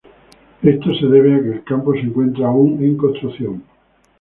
Esto se debe a que el campo se encuentra aún en construcción.